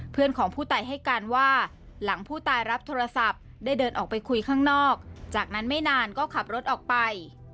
เพื่อนของผู้ตายให้การว่าหลังผู้ตายรับโทรศัพท์ได้เดินออกไปคุยข้างนอกจากนั้นไม่นานก็ขับรถออกไป